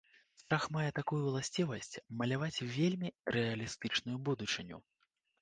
Страх мае такую ўласцівасць маляваць вельмі рэалістычную будучыню.